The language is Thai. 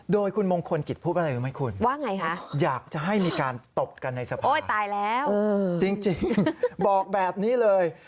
โดยคุณมงคลกิจพูดอะไรหรือไม่คุณอยากจะให้มีการตบกันในสภาจริงบอกแบบนี้เลย